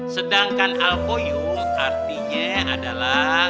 sedangkan alquyum artinya adalah